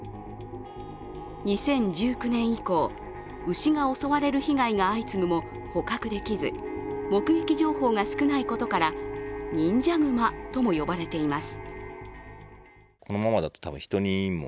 ２０１９年以降、牛が襲われる被害が相次ぐも捕獲できず目撃情報が少ないことから忍者グマとも呼ばれています。